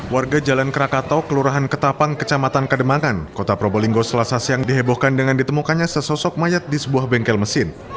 warga jalan krakatau kelurahan ketapang kecamatan kademangan kota probolinggo selasa siang dihebohkan dengan ditemukannya sesosok mayat di sebuah bengkel mesin